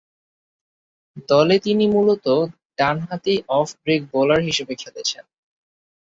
দলে তিনি মূলতঃ ডানহাতি অফ ব্রেক বোলার হিসেবে খেলছেন।